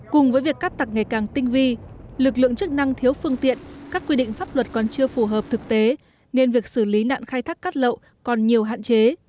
cùng với việc cắt tặc ngày càng tinh vi lực lượng chức năng thiếu phương tiện các quy định pháp luật còn chưa phù hợp thực tế nên việc xử lý nạn khai thác cát lậu còn nhiều hạn chế